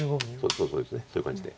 そうですねそういう感じで。